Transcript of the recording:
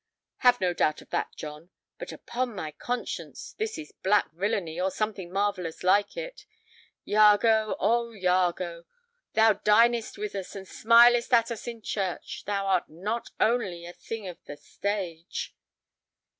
"Have no doubt of that, John. But upon my conscience, this is black villany or something marvellous like it. Iago, oh Iago, thou dinest with us and smilest at us in church, thou art not only a thing of the stage!"